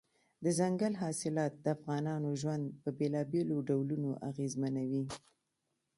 دځنګل حاصلات د افغانانو ژوند په بېلابېلو ډولونو اغېزمنوي.